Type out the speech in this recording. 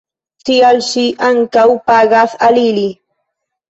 Tial ŝi ankaŭ pagas al ili.